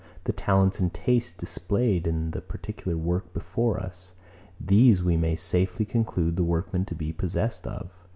The talents and taste, displayed in the particular work before us; these we may safely conclude the workman to be possessed of.